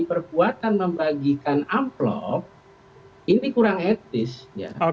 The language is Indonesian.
perbuatan membagikan amplop ini kurang etis ya